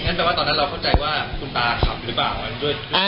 แปลว่าตอนนั้นเราเข้าใจว่าคุณตาขับหรือเปล่า